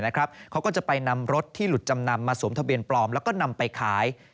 เขาก็จะไปนำรถที่หลุดจำนำมาสวมทะเบียนปลอมแล้วก็นำไปขาย